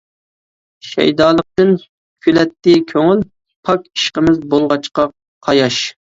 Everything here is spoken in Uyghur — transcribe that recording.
شەيدالىقتىن كۈلەتتى كۆڭۈل، پاك ئىشقىمىز بولغاچقا قاياش.